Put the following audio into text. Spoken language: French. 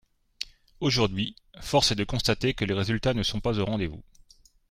Aujourd’hui, force est de constater que les résultats ne sont pas au rendez-vous.